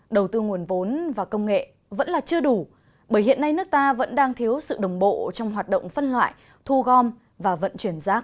đầu tư nguồn vốn và công nghệ vẫn là chưa đủ bởi hiện nay nước ta vẫn đang thiếu sự đồng bộ trong hoạt động phân loại thu gom và vận chuyển rác